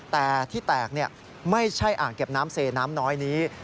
แต่ที่แตกไม่ใช่อ่างเก็บน้ำเซน้ำน้อยนี้